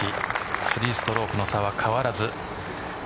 ３ストロークの差は変わらず。